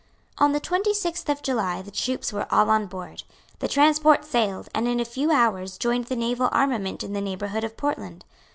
On the twenty sixth of July the troops were all on board. The transports sailed, and in a few hours joined the naval armament in the neighbourhood of Portland.